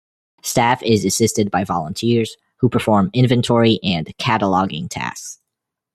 Staff is assisted by volunteers who perform inventory and cataloguing tasks.